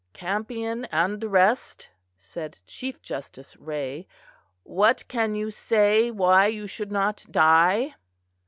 "Campion and the rest," said Chief Justice Wray, "What can you say why you should not die?"